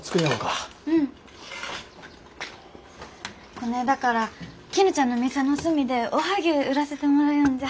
こねえだからきぬちゃんの店の隅でおはぎゅう売らせてもらよんじゃ。